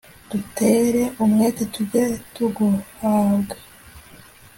dutere umwete tujye tuguhabwa